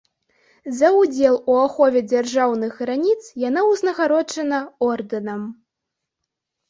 За ўдзел у ахове дзяржаўных граніц яна ўзнагароджана ордэнам.